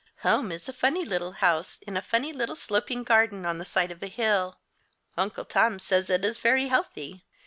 Home is a funny little house, in a funny little sloping garden on the side of a hill. Uncle Tom says it is very healthy.